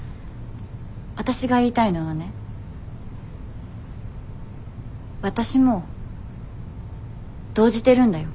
わたしが言いたいのはねわたしも動じてるんだよ。